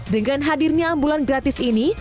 dengan hadirnya ambulan gratis ini